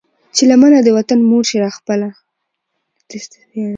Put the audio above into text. چې لمنه د وطن مور شي را خپله